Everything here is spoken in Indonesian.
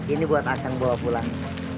ini buat akan bawa pulang